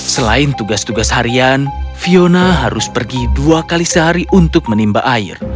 selain tugas tugas harian fiona harus pergi dua kali sehari untuk menimba air